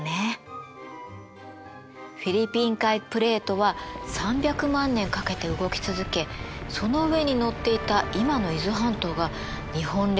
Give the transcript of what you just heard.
フィリピン海プレートは３００万年かけて動き続けその上にのっていた今の伊豆半島が日本列島に衝突します。